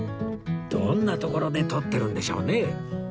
どんな所で撮ってるんでしょうね？